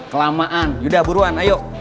kelamaan yudah buruan ayo